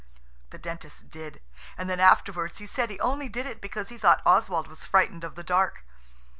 The Dentist did–and then afterwards he said he only did it because he thought Oswald was frightened of the dark.